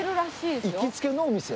行きつけのお店？